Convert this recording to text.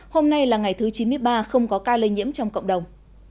hôm nay là ngày thứ chín mươi ba không có ca lây nhiễm trong cộng đồng